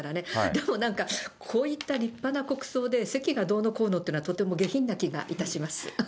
でもなんか、こういった立派な国葬で、席がどうのこうのというのは、とても下品な気がいたします。